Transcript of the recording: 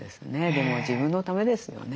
でも自分のためですよね。